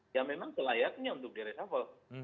ya memang selayaknya untuk diresafel